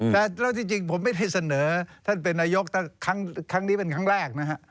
แต่แล้วที่จริงผมไม่ได้เสนอท่านเป็นนายกครั้งนี้เป็นครั้งแรกนะฮะ